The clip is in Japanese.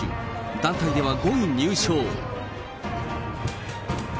団体では５位入賞。